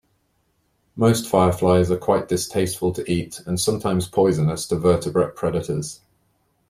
Most fireflies are quite distasteful to eat and sometimes poisonous to vertebrate predators.